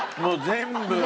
全部。